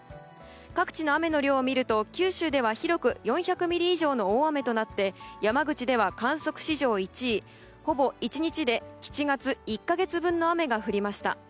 各地の雨の量を見ると九州では広く４００ミリ以上の大雨となって山口では観測史上１位ほぼ１日で、７月１か月分の雨が降りました。